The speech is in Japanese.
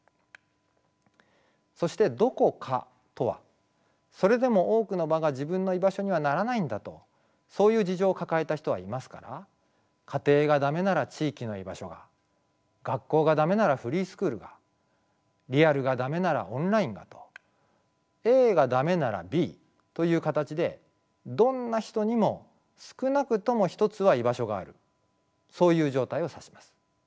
そして「どこか」とはそれでも多くの場が自分の居場所にはならないんだとそういう事情を抱えた人はいますから家庭がダメなら地域の居場所が学校がダメならフリースクールがリアルがダメならオンラインがとＡがダメならＢという形でどんな人にも少なくとも一つは居場所があるそういう状態を指します。